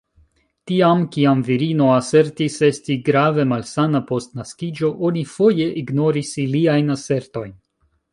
Tiam, kiam virino asertis esti grave malsana post naskiĝo, oni foje ignoris iliajn asertojn.